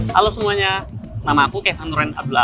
halo semuanya nama aku kevan nureen abdullalah